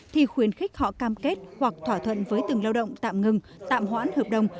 thì khuyến khích họ cam kết hoặc thỏa thuận với từng lao động tạm ngừng tạm hoãn hợp đồng